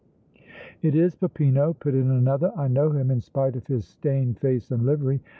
"It is Peppino," put in another. "I know him in spite of his stained face and livery!